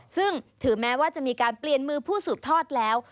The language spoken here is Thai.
ซึ่งถือแม้ว่าจะมีการเปลี่ยนมือผู้สืบทอดแล้ว